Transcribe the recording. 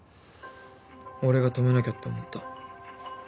俺が止めなきゃって思った。